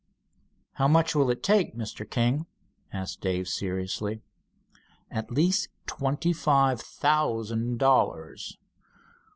"How much will it take, Mr. King?" asked Dave seriously. "At least twenty five thousand dollars."